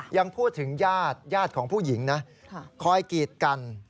ยังพูดถึงญาติญาติของผู้หญิงนะคอยกีดกัน